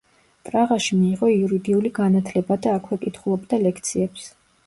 პრაღაში მიიღო იურიდული განათლება და აქვე კითხულობდა ლექციებს.